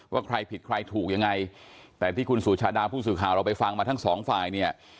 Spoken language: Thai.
ว่าใครผิดใครถูกยังไงแต่ที่คุณสุชาดาผู้สื่อข่าวเราไปฟังมาทั้งสองฝ่ายเนี่ย